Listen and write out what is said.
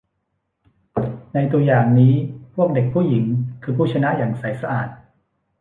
ในตัวอย่างนี้ พวกเด็กผู้หญิงคือผู้ชนะอย่างใสสะอาด